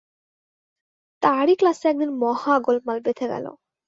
তাঁরই ক্লাসে একদিন মহা গোলমাল বেধে গেল।